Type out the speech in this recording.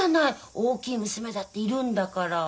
大きい娘だっているんだから。